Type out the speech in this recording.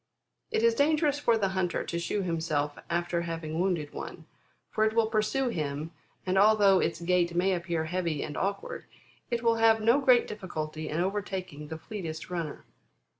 It is dangerous for the hunter to shew himself after having wounded one, for it will pursue him, and, although its gait may appear heavy and awkward, it will have no great difficulty in overtaking the fleetest runner.